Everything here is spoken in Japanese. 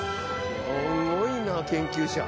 すごいな研究者！